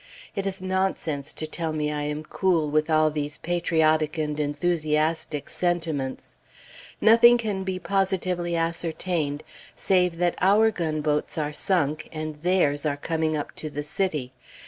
It is nonsense to tell me I am cool, with all these patriotic and enthusiastic sentiments. Nothing can be positively ascertained, save that our gunboats are sunk, and theirs are coming up to the city.